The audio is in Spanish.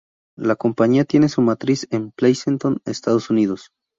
La compañía tiene su matriz en Pleasanton, Estados Unidos.